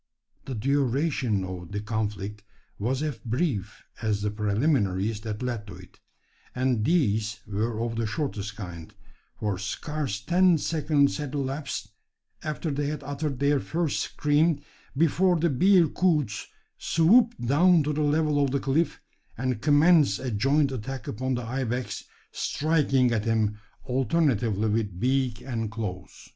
The duration of the conflict was as brief as the preliminaries that led to it; and these were of the shortest kind: for scarce ten seconds had elapsed, after they had uttered their first scream, before the bearcoots swooped down to the level of the cliff, and commenced a joint attack upon the ibex, striking at him alternately with beak and claws.